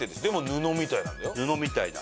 布みたいな。